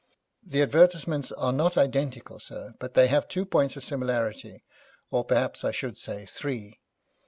The advertisements are not identical, sir, but they have two points of similarity, or perhaps I should say three.